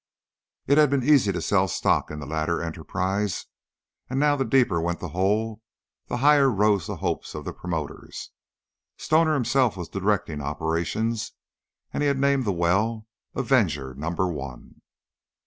It had been easy to sell stock in the latter enterprise, and now the deeper went the hole, the higher rose the hopes of the promoters. Stoner himself was directing operations, and he had named the well "Avenger Number One."